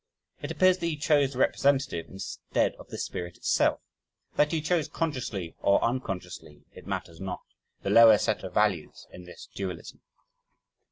It appears that he chose the representative instead of the spirit itself, that he chose consciously or unconsciously, it matters not, the lower set of values in this dualism.